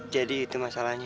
jadi itu masalahnya